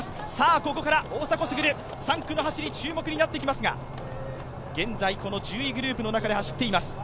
ここから大迫傑、３区の走り、注目になってきますが、現在１０位グループの中で走っています。